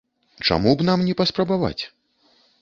Чаму б нам не паспрабаваць.